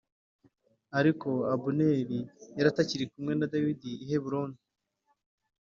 Ariko Abuneri yari atakiri kumwe na Dawidi i Heburoni